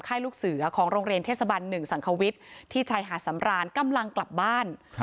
ใคร่ลูกสือของโรงเรียนเทศบรรณหนึ่งสังเขาวิทย์ที่ชายหาดสำรานกำลังกลับบ้าน